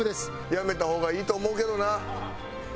やめた方がいいと思うけどな。